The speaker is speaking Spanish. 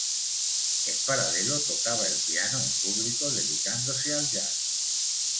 En paralelo tocaba el piano en público, dedicándose al jazz.